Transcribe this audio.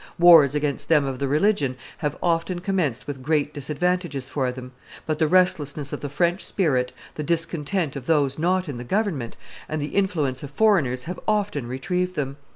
Wars against them of the religion have often commenced with great disadvantages for them; but the restlessness of the French spirit, the discontent of those not in the government, and the influence of foreigners have often retrieved them.